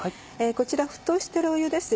こちら沸騰してる湯です